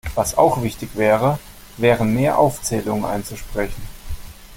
Was auch wichtig wäre, wären mehr Aufzählungen einzusprechen.